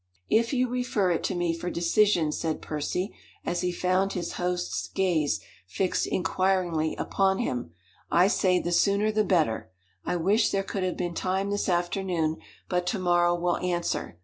"If you refer it to me for decision," said Percy, as he found his host's gaze fixed inquiringly upon him, "I say the sooner the better. I wish there could have been time this afternoon, but to morrow will answer.